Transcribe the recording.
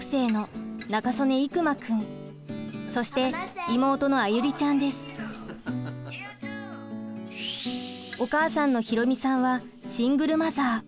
そして妹のお母さんの博美さんはシングルマザー。